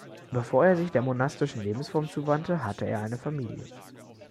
Bevor er sich der monastischen Lebensform zuwandte, hatte er eine Familie.